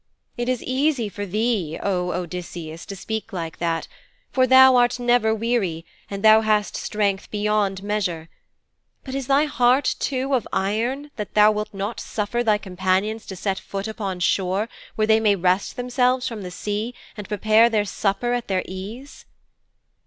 '"It is easy for thee, O Odysseus, to speak like that, for thou art never weary, and thou hast strength beyond measure. But is thy heart, too, of iron that thou wilt not suffer thy companions to set foot upon shore where they may rest themselves from the sea and prepare their supper at their ease?"'